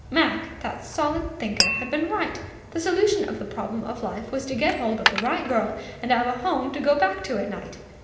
Mac, that solid thinker, had been right. The solution of the problem of life was to get hold of the right girl and have a home to go back to at night.